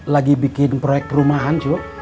lagi bikin proyek perumahan cuma